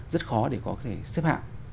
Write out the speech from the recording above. rất khó để có thể xếp hạng